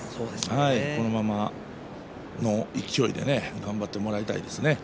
このままの勢いで頑張ってもらいたいですね。